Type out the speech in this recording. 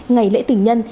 ngày lễ tỉnh nhân